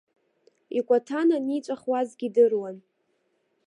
Икәаҭана аниҵәахуазгьы идыруан.